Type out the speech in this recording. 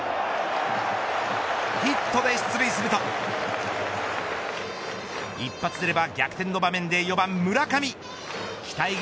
ヒットで出塁すると一発出れば逆転の場面で４番村上。